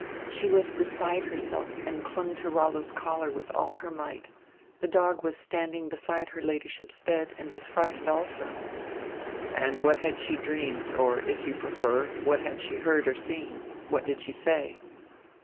"She was beside herself and clung to Rollo' s collar with all her might. The dog was standing beside her Ladyship's bed and was frightened also." "And what had she dreamed, or, if you prefer, what had she heard or seen? What did she say?"